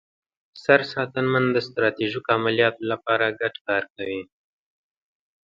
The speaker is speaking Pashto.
سرساتنمن د ستراتیژیکو عملیاتو لپاره ګډ کار کوي.